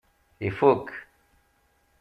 Ifuk.